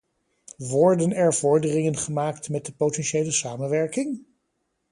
Worden er vorderingen gemaakt met de politiële samenwerking?